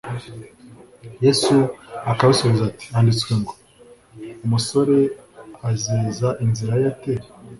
Yesu akabasubiza ati: handitswe ngo:" Umusore azeza inzira ye ate?